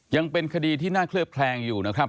ยังเป็นคดีที่น่าเคลือบแคลงอยู่นะครับ